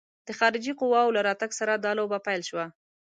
د خارجي قواوو له راتګ سره دا لوبه پیل شوه.